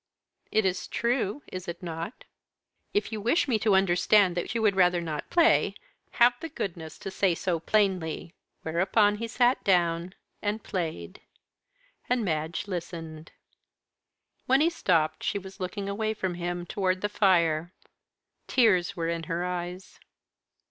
"It is true is it not?" "If you wish me to understand that you would rather not play, have the goodness to say so plainly." Whereupon he sat down and played. And Madge listened. When he stopped, she was looking away from him, toward the fire. Tears were in her eyes.